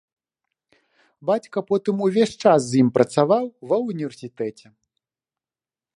Бацька потым увесь час з ім працаваў ва ўніверсітэце.